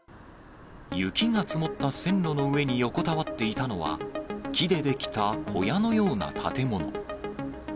雪が積もった線路の上に横たわっていたのは、木で出来た小屋のような建物。